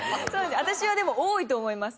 私はでも多いと思います。